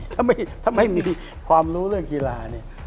ถ้าไม่มีความรู้เรื่องกีฬาเนี่ย